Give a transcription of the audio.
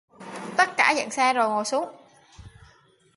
Tất cả dựng xe rồi ngồi xuống